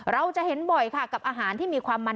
เราจะเห็นบ่อยค่ะกับอาหารที่มีความมัน